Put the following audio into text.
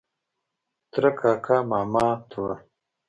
ترۀ کاکا ماما ترور